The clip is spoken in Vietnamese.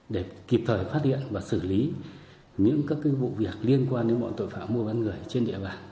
để kịp thời phát hiện và xử lý những các vụ việc liên quan đến bọn tội phạm mua bán người trên địa bàn